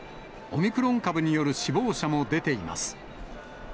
オミクロン株による死亡者も出ています。